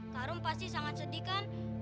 kak rum pasti sangat sedih kan